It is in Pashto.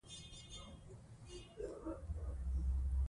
سرکونه د اقتصاد رګونه دي.